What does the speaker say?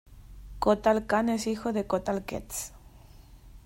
Kotal Kahn es hijo de Kotal K"etz.